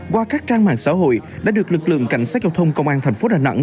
qua các trang mạng xã hội đã được lực lượng cảnh sát giao thông công an thành phố đà nẵng